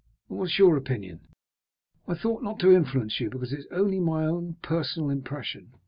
"And what is your opinion?" "I ought not to influence you, because it is only my own personal impression."